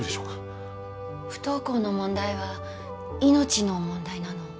不登校の問題は命の問題なの。